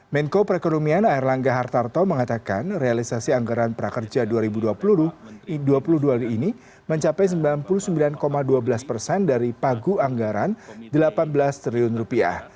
menko perekonomian air langga hartarto mengatakan realisasi anggaran prakerja dua ribu dua puluh dua hari ini mencapai sembilan puluh sembilan dua belas persen dari pagu anggaran delapan belas triliun rupiah